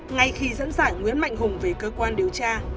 ngay khi dẫn dải nguyễn mạnh hùng về cơ quan điều tra